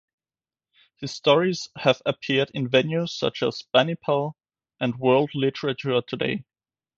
His stories have appeared in venues such as "Banipal" and "World Literature Today".